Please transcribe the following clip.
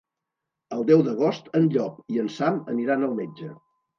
El deu d'agost en Llop i en Sam aniran al metge.